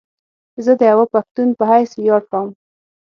زه ديوه پښتون په حيث وياړ کوم